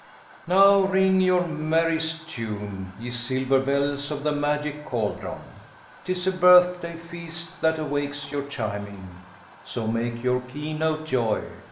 Now ring your merriest tune, ye silver bells of the magic caldron. 'Tis a birthday feast that awakes your chiming, so make your key note joy.